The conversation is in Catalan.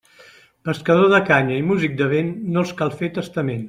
Pescador de canya i músic de vent, no els cal fer testament.